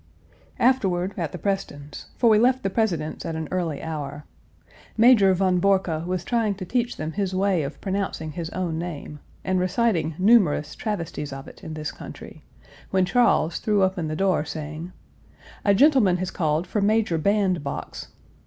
Afterward at the Prestons', for we left the President's Page 285 at an early hour. Major von Borcke was trying to teach them his way of pronouncing his own name, and reciting numerous travesties of it in this country, when Charles threw open the door, saying, "A gentleman has called for Major Bandbox."